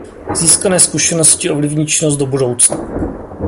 Získané zkušenosti ovlivní činnost do budoucna.